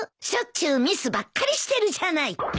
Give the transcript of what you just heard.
しょっちゅうミスばっかりしてるじゃない。